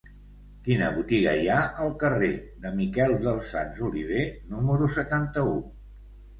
Quina botiga hi ha al carrer de Miquel dels Sants Oliver número setanta-u?